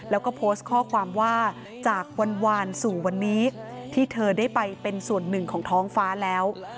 แล้วก็โพสต์ข้อความว่าจากวันสู่วันนี้ที่เธอได้ไปเป็นส่วนหนึ่งของท้องฟ้าแล้ว